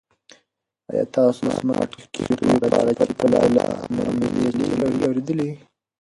ایا تاسو د سمارټ کښتیو په اړه چې پرته له عملې چلیږي اورېدلي؟